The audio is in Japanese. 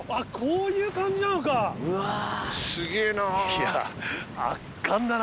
いや圧巻だな。